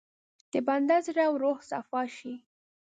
د بنده زړه او روح صفا شي.